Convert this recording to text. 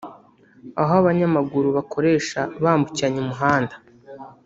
aho abanyamaguru bakoresha bambukiranya umuhanda